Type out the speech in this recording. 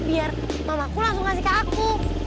biar mamaku langsung ngasih ke aku